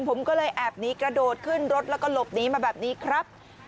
ผมก็เลยแอบหนีกระโดดขึ้นรถแล้วก็หลบหนีมาแบบนี้ครับ